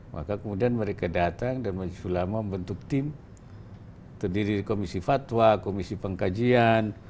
maka kemudian mereka datang dan majelis ulama membentuk tim terdiri dari komisi fatwa komisi pengkajian